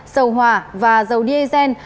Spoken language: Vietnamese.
dầu hòa và dầu diazen